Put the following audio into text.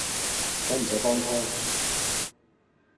駛唔駛幫拖？